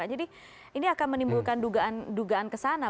jadi ini akan menimbulkan dugaan dugaan kesana